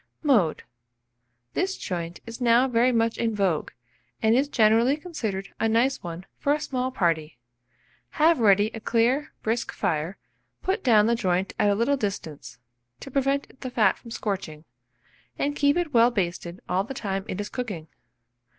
Mode. This joint is now very much in vogue, and is generally considered a nice one for a small party. Have ready a clear brisk fire; put down the joint at a little distance, to prevent the fat from scorching, and keep it well basted all the time it is cooking.